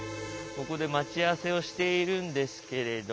ここで待ち合わせをしているんですけれども。